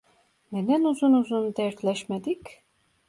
Neden uzun uzun dertleşmedik?